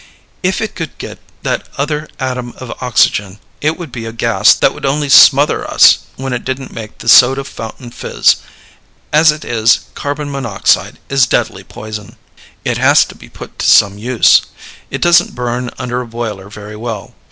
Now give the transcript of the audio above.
If it could get that other atom of oxygen it would be a gas that would only smother us when it didn't make the soda fountain fizz. As it is, carbon monoxide is deadly poison. It has to be put to some use. It doesn't burn under a boiler very well.